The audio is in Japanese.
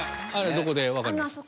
どこで分かりました？